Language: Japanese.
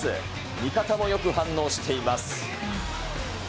味方もよく反応しています。